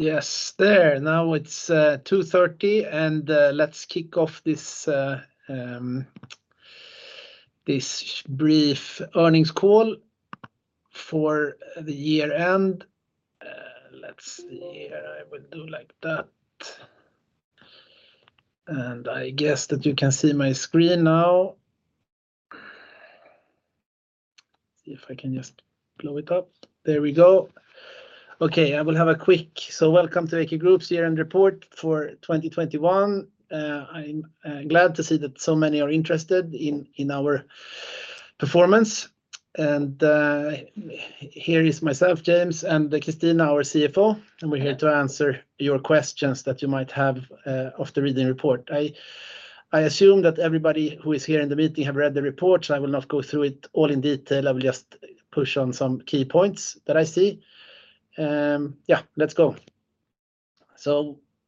Yes, there. Now it's 2:30 P.M. and let's kick off this brief earnings call for the year end. Let's see here. I will do like that. I guess that you can see my screen now. See if I can just blow it up. There we go. Okay, I will have a quick welcome to AQ Group's year-end report for 2021. I'm glad to see that so many are interested in our performance. Here is myself, James, and Christina, our CFO, and we're here to answer your questions that you might have after reading the report. I assume that everybody who is here in the meeting have read the report. I will not go through it all in detail. I will just push on some key points that I see. Yeah, let's go.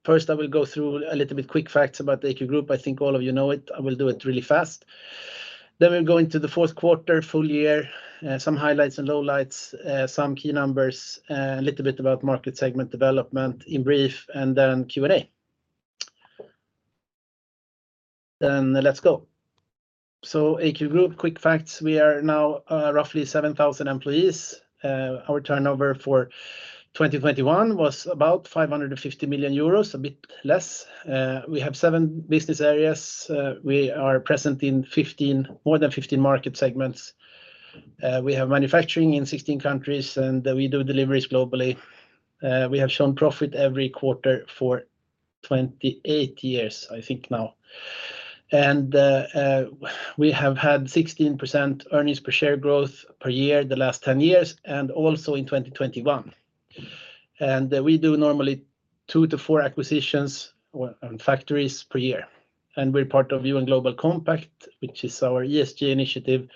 First I will go through a little bit quick facts about the AQ Group. I think all of you know it. I will do it really fast. We'll go into the fourth quarter, full year, some highlights and lowlights, some key numbers, a little bit about market segment development in brief, and then Q&A. Let's go. AQ Group, quick facts. We are now roughly 7,000 employees. Our turnover for 2021 was about 550 million euros, a bit less. We have seven business areas. We are present in more than 15 market segments. We have manufacturing in 16 countries, and we do deliveries globally. We have shown profit every quarter for 28 years, I think now. We have had 16% earnings per share growth per year the last 10 years, and also in 2021. We do normally two to four acquisitions or factories per year. We're part of UN Global Compact, which is our ESG initiative,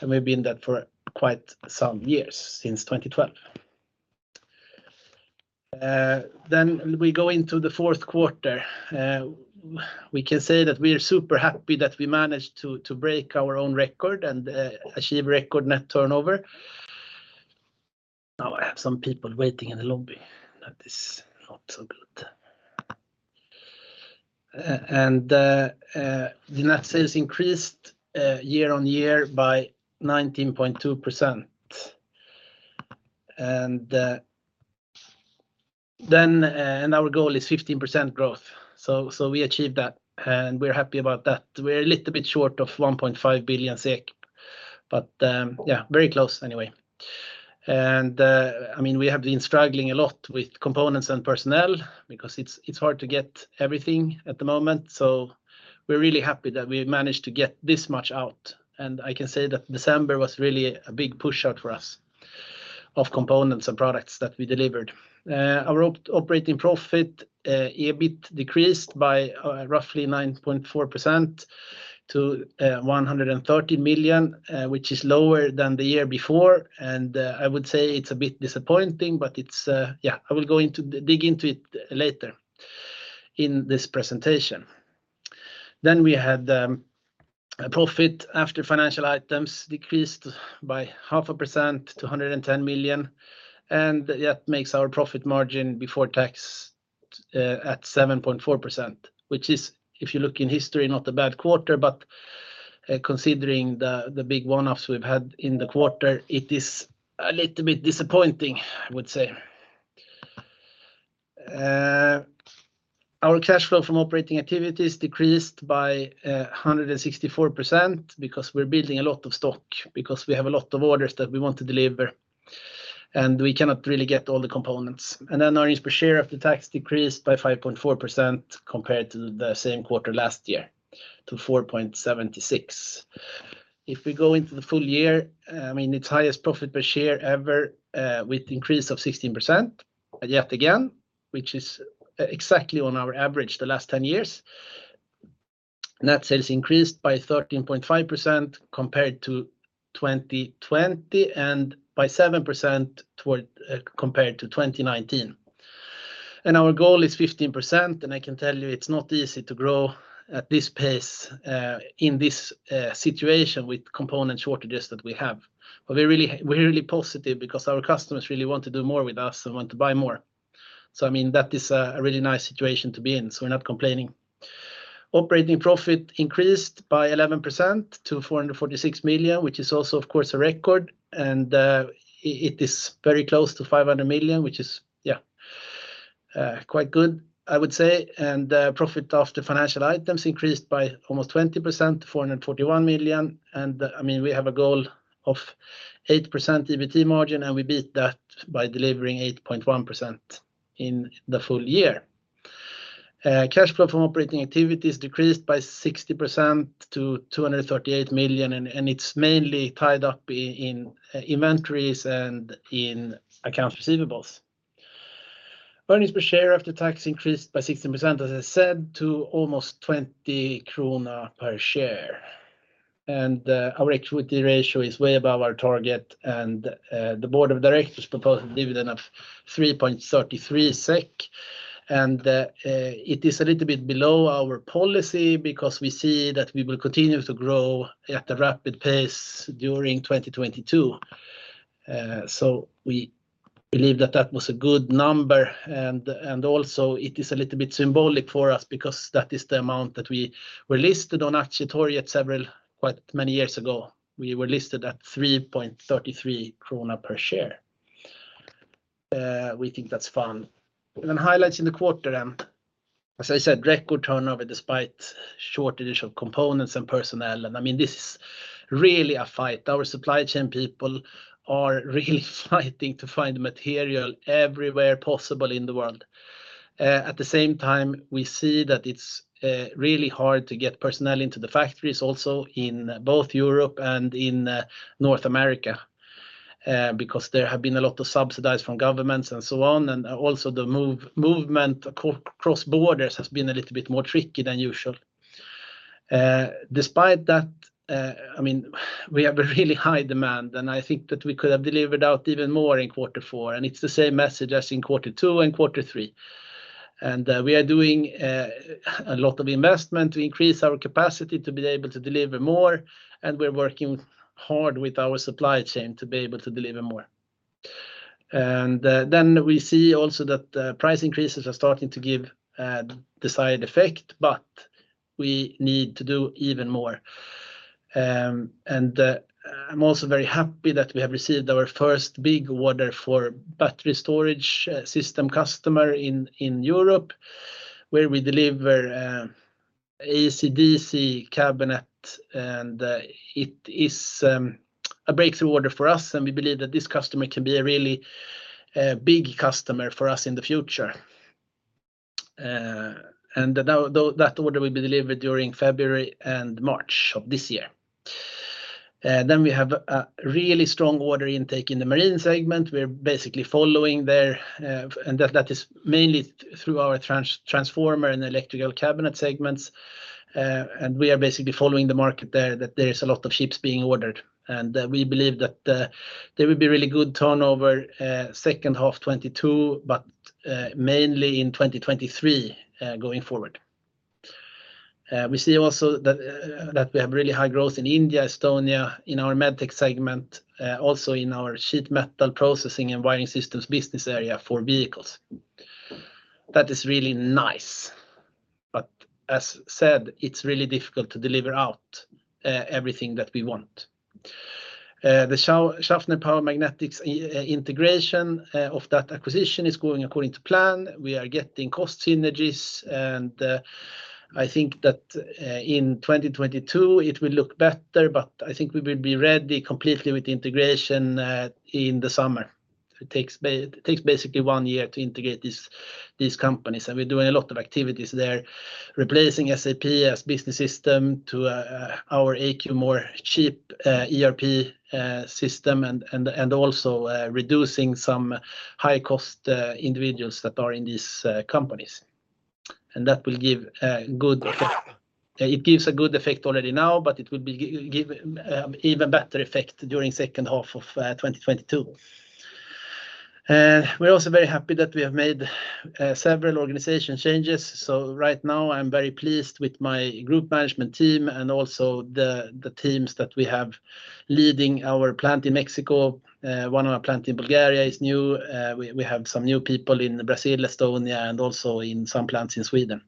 and we've been that for quite some years, since 2012. Then we go into the fourth quarter. We can say that we are super happy that we managed to break our own record and achieve record net turnover. Now I have some people waiting in the lobby. That is not so good. The net sales increased year-on-year by 19.2%. And our goal is 15% growth. We achieved that, and we're happy about that. We're a little bit short of 1.5 billion, but yeah, very close anyway. I mean, we have been struggling a lot with components and personnel because it's hard to get everything at the moment. So, we're really happy that we managed to get this much out. I can say that December was really a big push out for us of components and products that we delivered. Our operating profit, EBIT, decreased by roughly 9.4% to 130 million, which is lower than the year before. I would say it's a bit disappointing, but it's yeah, I will dig into it later in this presentation. We had our profit after financial items decreased by 0.5% to 110 million, and that makes our profit margin before tax at 7.4%, which is, if you look in history, not a bad quarter, but considering the big one-offs we've had in the quarter, it is a little bit disappointing, I would say. Our cash flow from operating activities decreased by 164% because we're building a lot of stock because we have a lot of orders that we want to deliver, and we cannot really get all the components. Earnings per share after tax decreased by 5.4% compared to the same quarter last year, to 4.76. If we go into the full year, I mean, it's highest profit per share ever, with increase of 16% yet again, which is exactly on our average the last 10 years. Net sales increased by 13.5% compared to 2020 and by 7% compared to 2019. And our goal is 15%, and I can tell you it's not easy to grow at this pace, in this situation with component shortages that we have. We're really positive because our customers really want to do more with us and want to buy more. I mean, that is a really nice situation to be in, we're not complaining. Operating profit increased by 11% to 446 million, which is also, of course, a record. It is very close to 500 million, which is quite good, I would say. Profit after financial items increased by almost 20% to 441 million. I mean, we have a goal of 8% EBIT margin, and we beat that by delivering 8.1% in the full year. Cash flow from operating activities decreased by 60% to 238 million, and it's mainly tied up in inventories and accounts receivable. Earnings per share after tax increased by 16%, as I said, to almost 20 krona per share. Our equity ratio is way above our target, and the board of directors proposed a dividend of 3.33 SEK. It is a little bit below our policy because we see that we will continue to grow at a rapid pace during 2022. So we believe that that was a good number, and also it is a little bit symbolic for us because that is the amount that we were listed on Aktietorget several quite many years ago. We were listed at 3.33 krona per share. We think that's fun. Highlights in the quarter, as I said, record turnover despite shortage of components and personnel, and I mean, this is really a fight. Our supply chain people are really fighting to find material everywhere possible in the world. At the same time, we see that it's really hard to get personnel into the factories also in both Europe and in North America because there have been a lot of subsidies from governments and so on, and also the movement across borders has been a little bit more tricky than usual. Despite that, I mean, we have a really high demand, and I think that we could have delivered out even more in quarter four, and it's the same message as in quarter two and quarter three. And we are doing a lot of investment to increase our capacity to be able to deliver more, and we're working hard with our supply chain to be able to deliver more. Then we see also that the price increases are starting to give desired effect, but we need to do even more. I'm also very happy that we have received our first big order for battery storage system customer in Europe, where we deliver AC, DC cabinet, and it is a breakthrough order for us, and we believe that this customer can be a really big customer for us in the future. Now though that order will be delivered during February and March of this year. Then we have a really strong order intake in the marine segment. We're basically following their, and that is mainly through our transformer and electrical cabinet segments. We are basically following the market there, that there is a lot of ships being ordered, and we believe that there will be really good turnover second half 2022, but mainly in 2023 going forward. We see also that we have really high growth in India, Estonia, in our med tech segment, also in our Sheet Metal Processing and Wiring Systems business area for vehicles. That is really nice. But as said, it's really difficult to deliver out everything that we want. The Schaffner Power Magnetics integration of that acquisition is going according to plan. We are getting cost synergies, and I think that in 2022 it will look better, but I think we will be ready completely with the integration in the summer. It takes basically one year to integrate these companies, and we're doing a lot of activities there, replacing SAP as business system to our AQ more cheap ERP system and also reducing some high-cost individuals that are in these companies. And that will give a good effect. It gives a good effect already now, but it will give even better effect during second half of 2022. We're also very happy that we have made several organization changes, so right now I'm very pleased with my group management team and also the teams that we have leading our plant in Mexico. One of our plants in Bulgaria is new. We have some new people in Brazil, Estonia, and also in some plants in Sweden.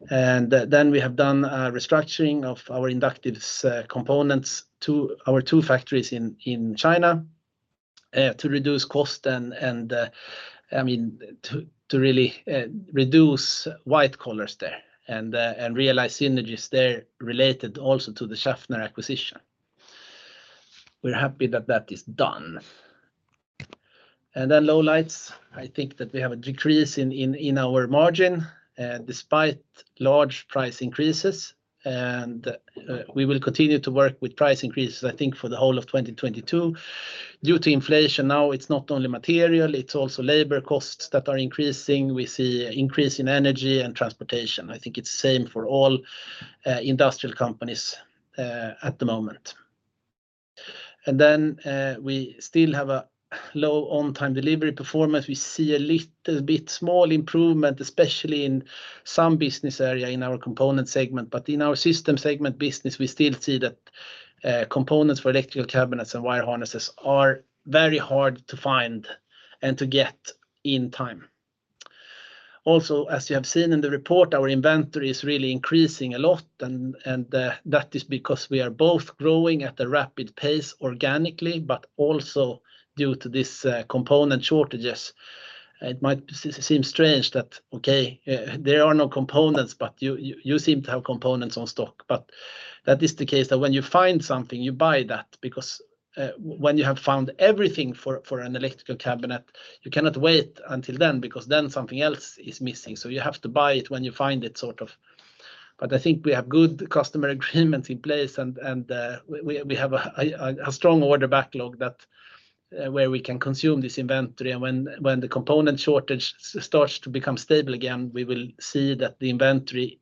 We have done a restructuring of our Inductive Components to our two factories in China to reduce cost and I mean to really reduce white collars there and realize synergies there related also to the Schaffner acquisition. We're happy that is done. Lowlights, I think that we have a decrease in our margin despite large price increases, and we will continue to work with price increases I think for the whole of 2022 due to inflation. Now it's not only material, it's also labor costs that are increasing. We see increase in energy and transportation. I think it's the same for all industrial companies at the moment. And then we still have a low on-time delivery performance. We see a little bit small improvement, especially in some business area in our component segment, but in our system segment business, we still see that components for electrical cabinets and wire harnesses are very hard to find and to get in time. Also, as you have seen in the report, our inventory is really increasing a lot and that is because we are both growing at a rapid pace organically, but also due to this component shortages. It might seem strange that, okay, there are no components, but you seem to have components on stock, but that is the case that when you find something, you buy that because when you have found everything for an electrical cabinet, you cannot wait until then because then something else is missing. You have to buy it when you find it, sort of. I think we have good customer agreements in place and we have a strong order backlog that where we can consume this inventory. When the component shortage starts to become stable again, we will see that the inventory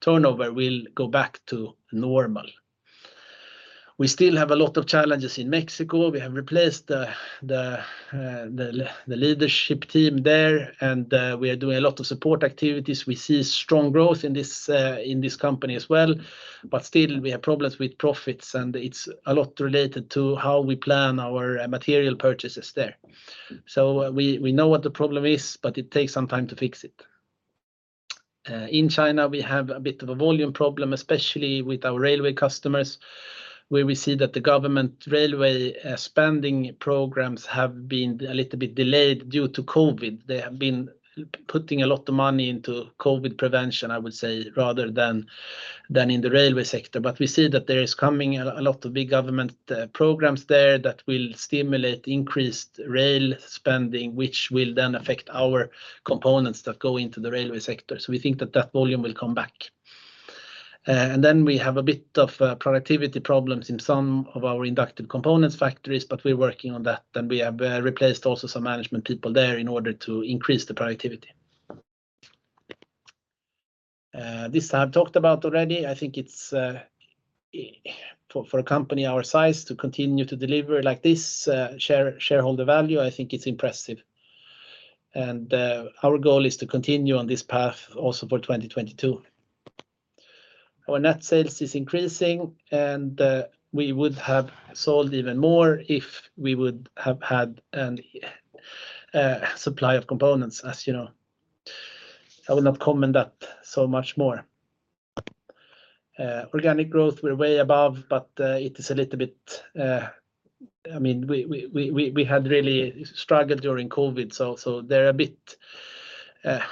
turnover will go back to normal. We still have a lot of challenges in Mexico. We have replaced the leadership team there, and we are doing a lot of support activities. We see strong growth in this company as well, but still we have problems with profits, and it's a lot related to how we plan our material purchases there. So, we know what the problem is, but it takes some time to fix it. In China, we have a bit of a volume problem, especially with our railway customers, where we see that the government railway spending programs have been a little bit delayed due to COVID. They have been putting a lot of money into COVID prevention, I would say, rather than in the railway sector. But we see that there is coming a lot of big government programs there that will stimulate increased rail spending, which will then affect our components that go into the railway sector. We think that volume will come back. We have a bit of productivity problems in some of our Inductive Components factories, but we're working on that, and we have replaced also some management people there in order to increase the productivity. This I've talked about already. I think it's impressive for a company our size to continue to deliver like this, shareholder value. I think it's impressive. Our goal is to continue on this path also for 2022. Our net sales is increasing, and we would have sold even more if we would have had a supply of components, as you know. I will not comment that so much more. Organic growth, we're way above, but it is a little bit. I mean, we had really struggled during COVID, so they're a bit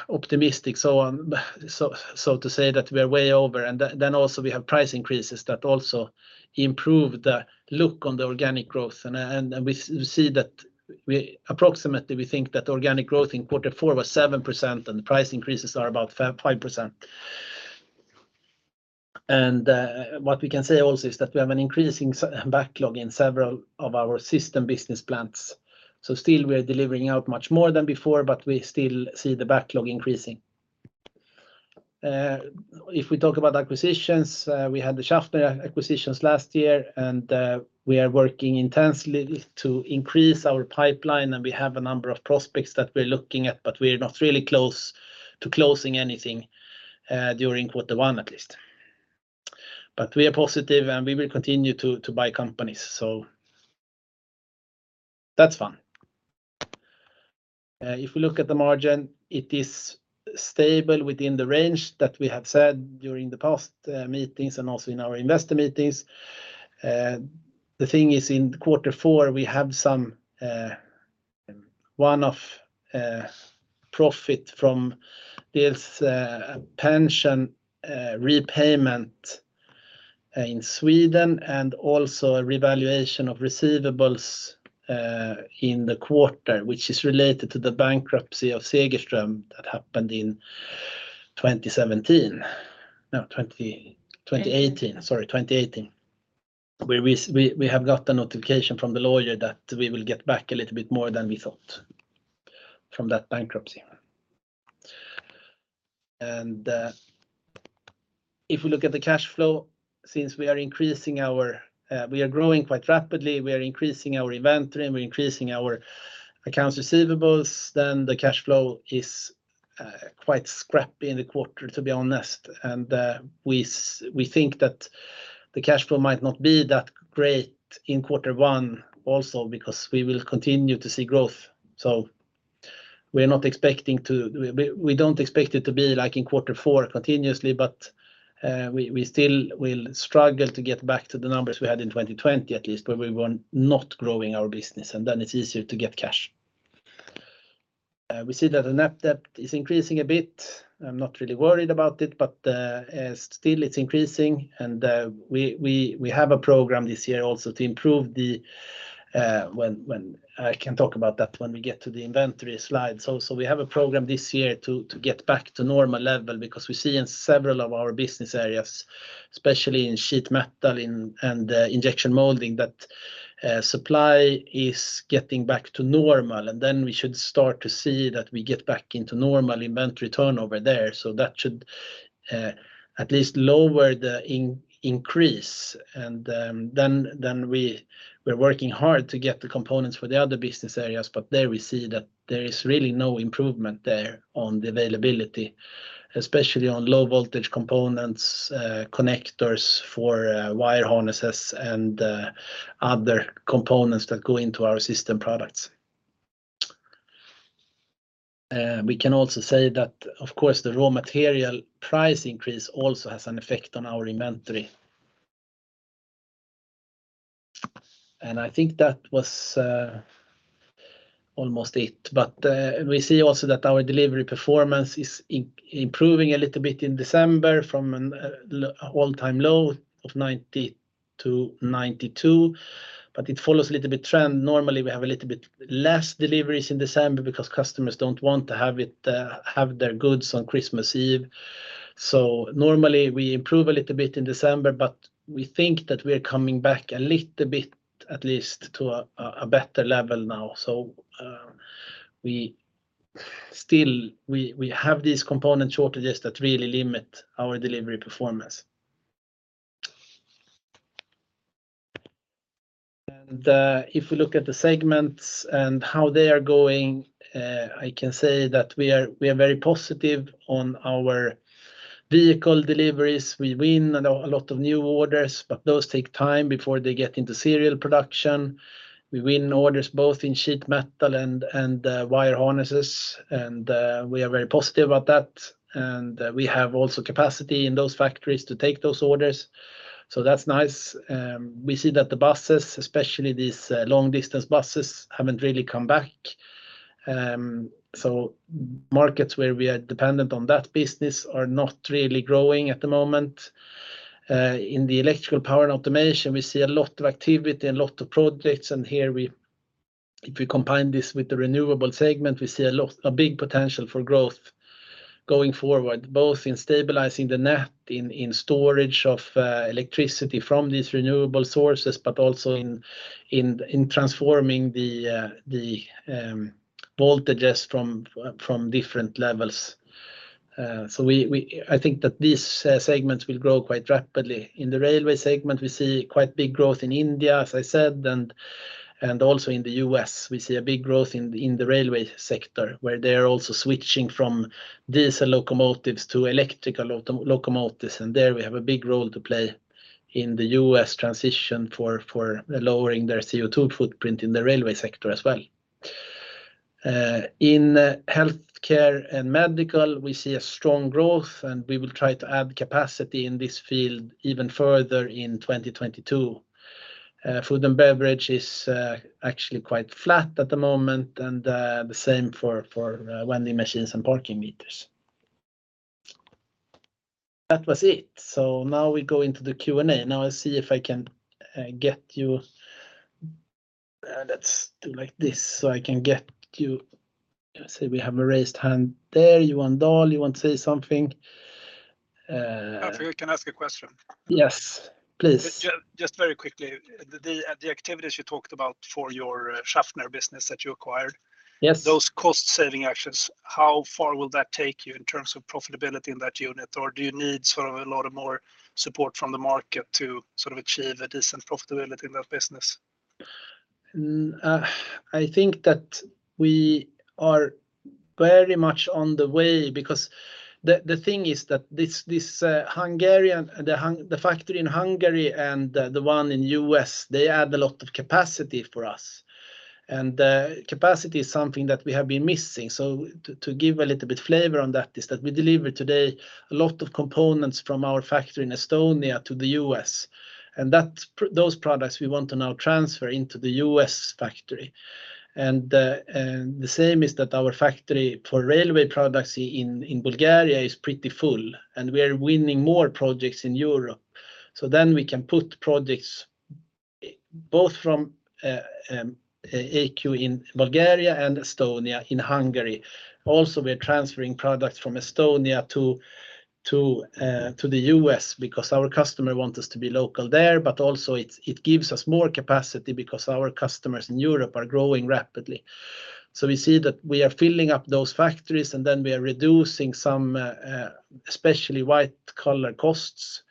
optimistic, so to say that we're way over. Then also we have price increases that also improve the look on the organic growth. We see that we. Approximately, we think that organic growth in quarter four was 7%, and the price increases are about 5%. What we can say also is that we have an increasing backlog in several of our system business plans. Still we are delivering out much more than before, but we still see the backlog increasing. If we talk about acquisitions, we had the Schaffner acquisitions last year, and we are working intensely to increase our pipeline, and we have a number of prospects that we're looking at, but we're not really close to closing anything during quarter one at least. We are positive, and we will continue to buy companies, so that's fun. If we look at the margin, it is stable within the range that we have said during the past meetings and also in our investor meetings. The thing is, in quarter four, we have some one-off profit from this pension repayment in Sweden and also a revaluation of receivables in the quarter, which is related to the bankruptcy of Segerström that happened in 2017. 2018. 2018. Sorry, 2018, where we have got a notification from the lawyer that we will get back a little bit more than we thought from that bankruptcy. If we look at the cash flow, since we are increasing our, we are growing quite rapidly, we are increasing our inventory, and we're increasing our accounts receivables, then the cash flow is quite scrappy in the quarter, to be honest. We think that the cash flow might not be that great in quarter one also because we will continue to see growth. We're not expecting to We don't expect it to be like in quarter four continuously, but we still will struggle to get back to the numbers we had in 2020 at least, where we were not growing our business, and then it's easier to get cash. We see that the net debt is increasing a bit. I'm not really worried about it, but still it's increasing. We have a program this year also. I can talk about that when we get to the inventory slides. Also, we have a program this year to get back to normal level because we see in several of our business areas, especially in sheet metal and injection molding, that supply is getting back to normal. We should start to see that we get back into normal inventory turnover there. That should at least lower the increase. Then we are working hard to get the components for the other business areas, but there we see that there is really no improvement there on the availability, especially on low voltage components, connectors for wire harnesses and other components that go into our system products. We can also say that, of course, the raw material price increase also has an effect on our inventory. I think that was almost it. We see also that our delivery performance is improving a little bit in December from an all-time low of 90%-92%, but it follows a little bit trend. Normally, we have a little bit less deliveries in December because customers don't want to have it, have their goods on Christmas Eve. So normally, we improve a little bit in December, but we think that we are coming back a little bit at least to a better level now. We have these component shortages that really limit our delivery performance. If we look at the segments and how they are going, I can say that we are very positive on our vehicle deliveries. We win a lot of new orders, but those take time before they get into serial production. We win orders both in sheet metal and wire harnesses, and we are very positive about that. And we have also capacity in those factories to take those orders, so that's nice. We see that the buses, especially these long distance buses, haven't really come back. Markets where we are dependent on that business are not really growing at the moment. In the electrical power and automation, we see a lot of activity and a lot of projects, and here if we combine this with the renewable segment, we see a big potential for growth going forward, both in stabilizing the net in storage of electricity from these renewable sources, but also in transforming the voltages from different levels. I think that these segments will grow quite rapidly. In the railway segment, we see quite big growth in India, as I said, and also in the U.S. we see a big growth in the railway sector, where they are also switching from diesel locomotives to electrical locomotives. There we have a big role to play in the U.S. transition for lowering their CO2 footprint in the railway sector as well. In healthcare and medical, we see a strong growth, and we will try to add capacity in this field even further in 2022. Food and beverage is actually quite flat at the moment, and the same for vending machines and parking meters. That was it. Now we go into the Q&A. Now I'll see if I can get you. Let's do like this so I can get you. Let's see. We have a raised hand there. Johan Dahl, you want to say something? James, we can ask a question. Yes, please. Just very quickly, the activities you talked about for your Schaffner business that you acquired. Yes. Those cost saving actions, how far will that take you in terms of profitability in that unit, or do you need sort of a lot of more support from the market to sort of achieve a decent profitability in that business? I think that we are very much on the way because the thing is that this Hungarian factory in Hungary and the one in the U.S. add a lot of capacity for us, and capacity is something that we have been missing. To give a little bit flavor on that is that we deliver today a lot of components from our factory in Estonia to the U.S., and those products we want to now transfer into the U.S. factory. The same is that our factory for railway products in Bulgaria is pretty full, and we are winning more projects in Europe. We can put projects both from AQ in Bulgaria and Estonia in Hungary. We are transferring products from Estonia to the U.S. because our customers want us to be local there, but also it gives us more capacity because our customers in Europe are growing rapidly. We see that we are filling up those factories, and then we are reducing some especially white collar costs.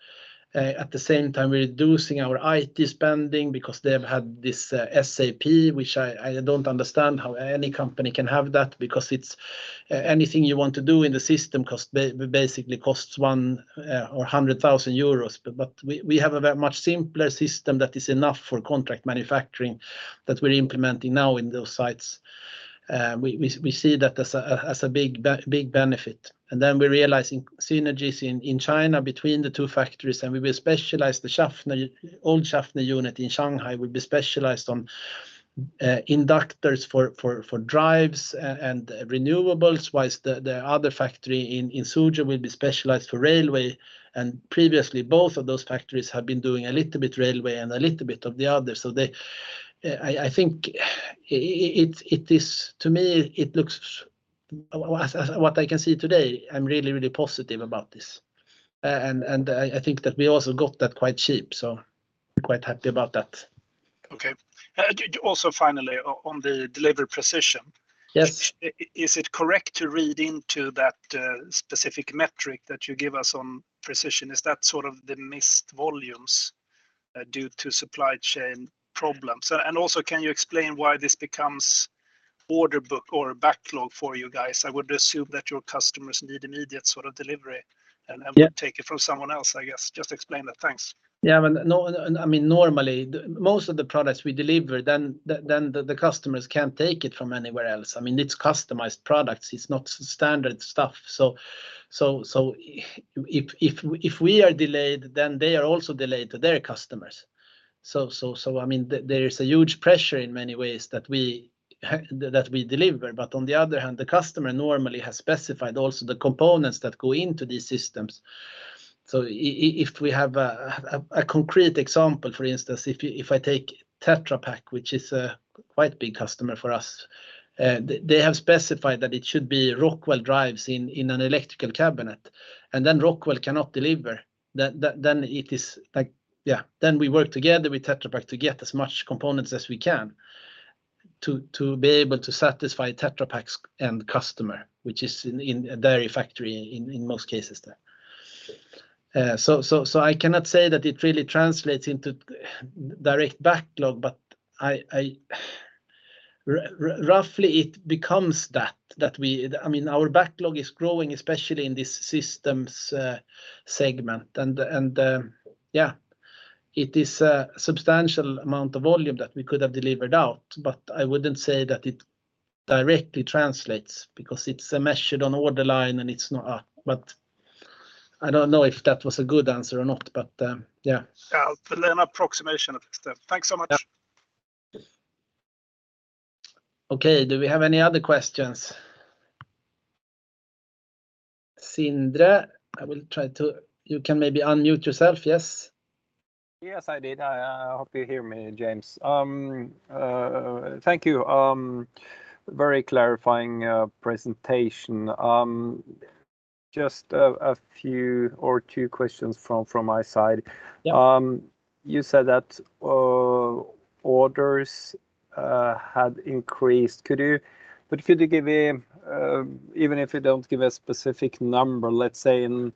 At the same time, we're reducing our IT spending because they've had this SAP, which I don't understand how any company can have that because it's anything you want to do in the system basically costs 100,000 euros. We have a very much simpler system that is enough for contract manufacturing that we're implementing now in those sites. We see that as a big benefit. Then we're realizing synergies in China between the two factories, and we will specialize the Schaffner old Schaffner unit in Shanghai. It will be specialized on inductors for drives and renewables, while the other factory in Suzhou will be specialized for railway. Previously, both of those factories have been doing a little bit railway and a little bit of the other. I think it is, to me, what I can see today. I'm really positive about this. I think that we also got that quite cheap, so quite happy about that. Okay. Also finally on the delivery precision. Yes. Is it correct to read into that specific metric that you give us on precision? Is that sort of the missed volumes due to supply chain problems? Also can you explain why this becomes order book or a backlog for you guys? I would assume that your customers need immediate sort of delivery. Yeah. Would take it from someone else, I guess. Just explain that. Thanks. Yeah. Well, no, I mean, normally most of the products we deliver, the customers can't take it from anywhere else. I mean, it's customized products. It's not standard stuff. If we are delayed, then they are also delayed to their customers. I mean, there is a huge pressure in many ways that we deliver. On the other hand, the customer normally has specified also the components that go into these systems. If we have a concrete example, for instance, if I take Tetra Pak, which is a quite big customer for us, they have specified that it should be Rockwell drives in an electrical cabinet, and then Rockwell cannot deliver. It is like, yeah. We work together with Tetra Pak to get as much components as we can to be able to satisfy Tetra Pak's end customer, which is in a dairy factory in most cases there. I cannot say that it really translates into direct backlog, but I roughly it becomes that we. I mean, our backlog is growing, especially in this systems segment and it is a substantial amount of volume that we could have delivered out, but I wouldn't say that it directly translates because it's measured on order line and it's not a. I don't know if that was a good answer or not, but yeah. Yeah. An approximation of this then. Yeah. Thanks so much. Okay. Do we have any other questions? Sindre, you can maybe unmute yourself. Yes? Yes, I did. I hope you hear me, James. Thank you. Very clarifying presentation. Just a few or two questions from my side. Yeah. You said that orders had increased. Could you give me even if you don't give a specific number, let's say in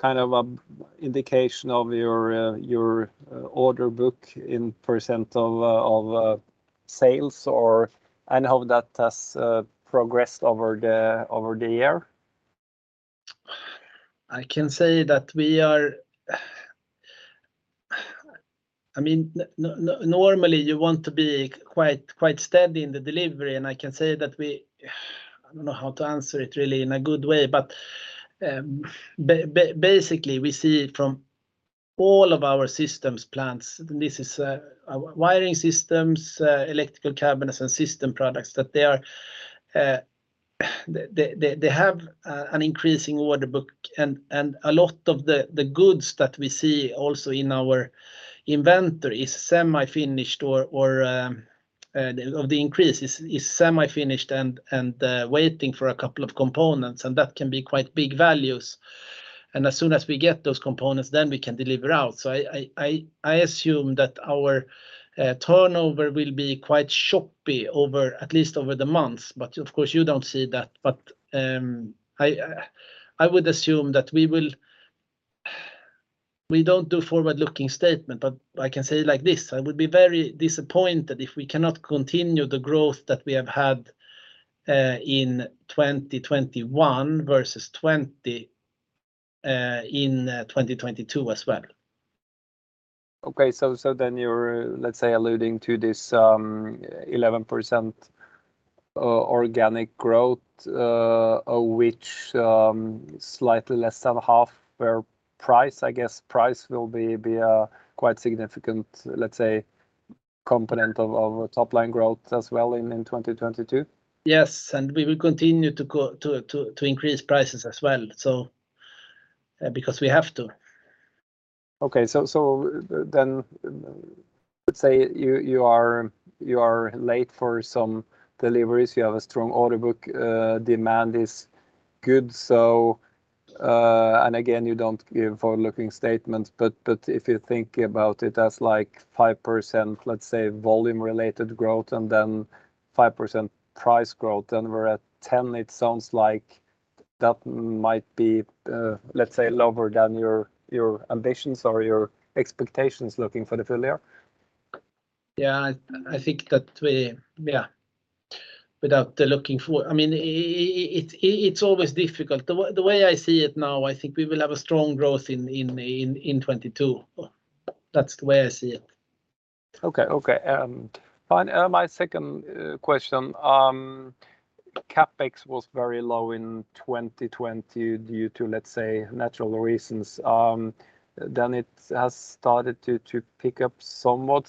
kind of an indication of your order book in percent of sales or and how that has progressed over the year? I mean, normally you want to be quite steady in the delivery. I don't know how to answer it really in a good way, but basically we see it from all of our systems plants, and this is our Wiring Systems, electrical cabinets and system products, that they have an increasing order book and a lot of the goods that we see also in our inventory is semi-finished or the increase is semi-finished and waiting for a couple of components, and that can be quite big values. As soon as we get those components, then we can deliver out. I assume that our turnover will be quite choppy over at least over the months, but of course you don't see that. We don't do forward-looking statement, but I can say like this, I would be very disappointed if we cannot continue the growth that we have had in 2021 versus 2020 in 2022 as well. Okay. Then you're, let's say, alluding to this 11% organic growth, of which slightly less than half were price. I guess price will be a quite significant, let's say, component of top line growth as well in 2022? Yes, we will continue to increase prices as well, because we have to. Okay. Then let's say you are late for some deliveries. You have a strong order book, demand is good, and again, you don't give forward-looking statements, but if you think about it as like 5%, let's say, volume related growth and then 5% price growth, then we're at 10%. It sounds like that might be, let's say, lower than your ambitions or your expectations looking for the full year. Yeah. I mean, it's always difficult. The way I see it now, I think we will have a strong growth in 2022. That's the way I see it. My second question, CapEx was very low in 2020 due to, let's say, natural reasons. It has started to pick up somewhat.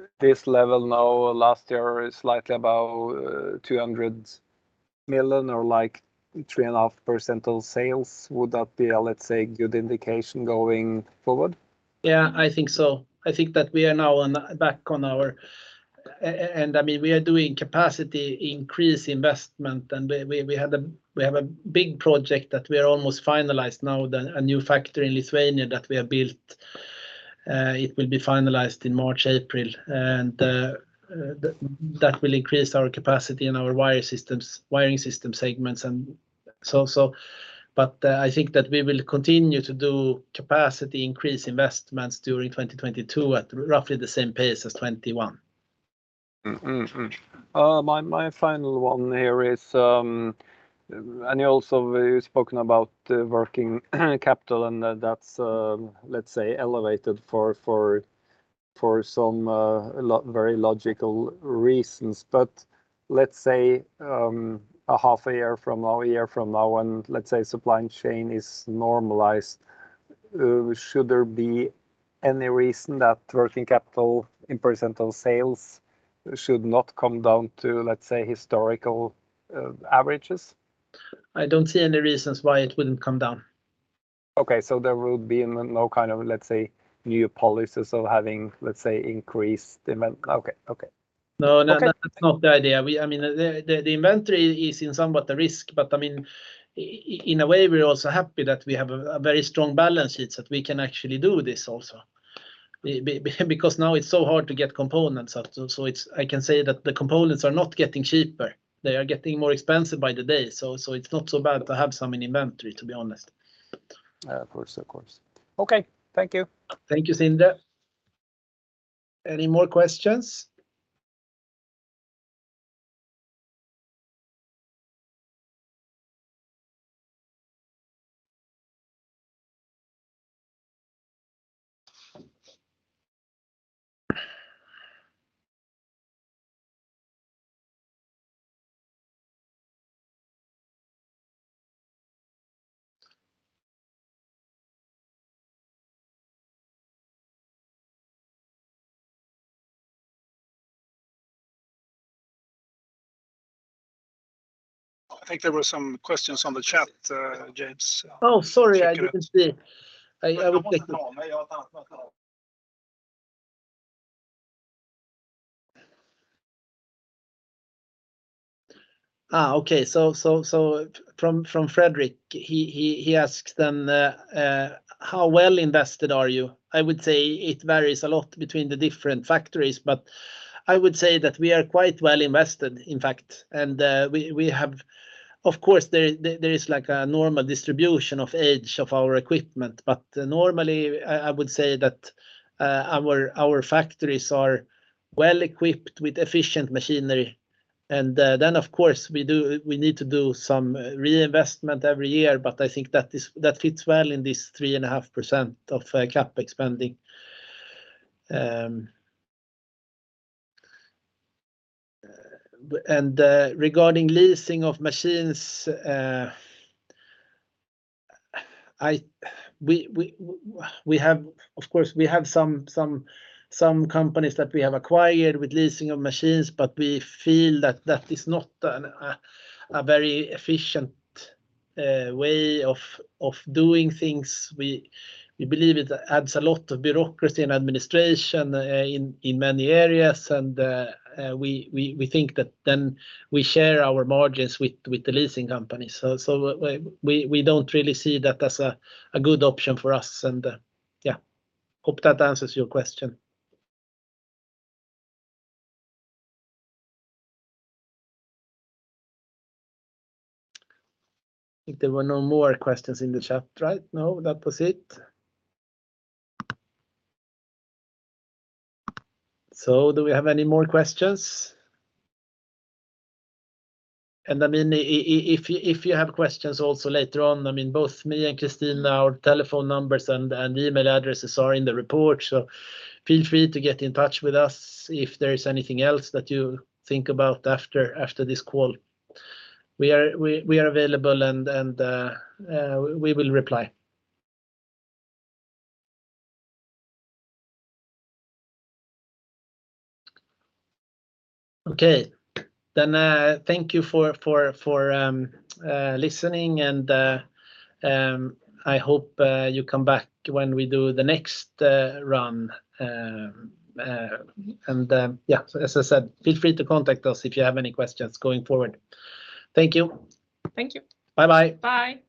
So this level now last year is slightly about 200 million or like 3.5% of sales. Would that be a, let's say, good indication going forward? Yeah, I think so. I mean, we are doing capacity increase investment and we have a big project that we are almost finalizing now, a new factory in Lithuania that we have built. It will be finalized in March, April, and that will increase our capacity in our Wiring Systems segment. I think that we will continue to do capacity increase investments during 2022 at roughly the same pace as 2021. My final one here is you've also spoken about the working capital and that's, let's say, elevated for some very logical reasons. Let's say a half a year from now, a year from now, and let's say supply chain is normalized. Should there be any reason that working capital in percent of sales should not come down to, let's say, historical averages? I don't see any reasons why it wouldn't come down. Okay. There will be no kind of, let's say, new policies of having, let's say, increased inventory. Okay. Okay. No, no. Okay. That's not the idea. We, I mean, the inventory is somewhat of a risk, but I mean, in a way, we're also happy that we have a very strong balance sheet that we can actually do this also. Because now it's so hard to get components out, so it's, I can say that the components are not getting cheaper. They are getting more expensive by the day, so it's not so bad to have some in inventory, to be honest. Of course. Okay. Thank you, Sindre. Any more questions? I think there were some questions on the chat, James. Sorry. I didn't see. From Fredrik, he asked, "How well invested are you?" I would say it varies a lot between the different factories, but I would say that we are quite well invested, in fact. We have. Of course, there is like a normal distribution of age of our equipment. Normally I would say that our factories are well-equipped with efficient machinery. Of course we need to do some reinvestment every year, but I think that fits well in this 3.5% of CapEx. Regarding leasing of machines, we have. Of course, we have some companies that we have acquired with leasing of machines, but we feel that is not a very efficient way of doing things. We believe it adds a lot of bureaucracy and administration in many areas. We think that then we share our margins with the leasing companies. We don't really see that as a good option for us. Yeah, hope that answers your question. I think there were no more questions in the chat, right? No, that was it. Do we have any more questions? I mean, if you have questions also later on, I mean, both me and Christina, our telephone numbers and email addresses are in the report, so feel free to get in touch with us if there is anything else that you think about after this call. We are available and we will reply. Okay. Thank you for listening and I hope you come back when we do the next run. Yeah. As I said, feel free to contact us if you have any questions going forward. Thank you. Thank you. Bye-bye. Bye.